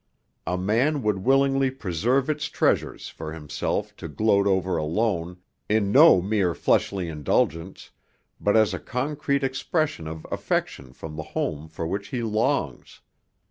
A man would willingly preserve its treasures for himself to gloat over alone, in no mere fleshly indulgence, but as a concrete expression of affection from the home for which he longs.